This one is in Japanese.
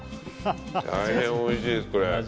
大変おいしいです、これ。